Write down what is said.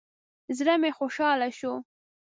زړه مې خوشاله شو.